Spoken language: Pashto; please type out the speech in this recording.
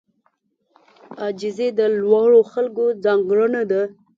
عاجزي د لوړو خلکو ځانګړنه ده.